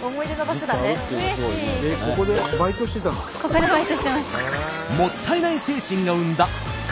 ここでバイトしてました。